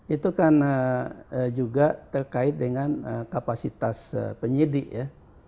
itu kan juga terkait dengan kapasitas penyidik ya